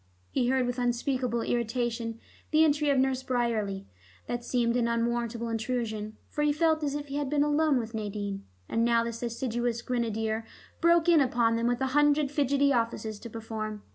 He heard with unspeakable irritation the entry of Nurse Bryerley. That seemed an unwarrantable intrusion, for he felt as if he had been alone with Nadine, and now this assiduous grenadier broke in upon them with a hundred fidgety offices to perform.